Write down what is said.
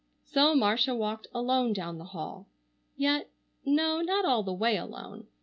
So Marcia walked alone down the hall—yet, no, not all the way alone.